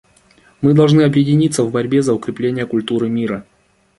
Мы должны объединиться в борьбе за укрепление культуры мира.